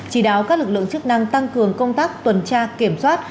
chỉ đáo các lực lượng chức năng tăng cường công tác tuần tra kiểm soát